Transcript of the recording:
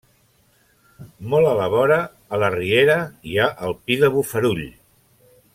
Molt a la vora, a la riera, hi ha el Pi de Bofarull.